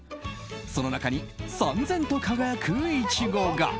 その中に、さん然と輝くイチゴが。